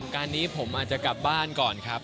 การนี้ผมอาจจะกลับบ้านก่อนครับ